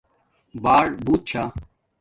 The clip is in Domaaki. باڑابُوت چھݳ